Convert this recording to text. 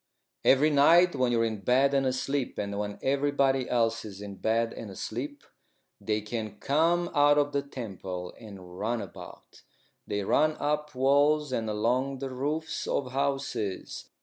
"Every night when you're in bed and asleep, and when everybody else is in bed and asleep, they can come out of the temple and run about. They run up walls and along the roofs of houses.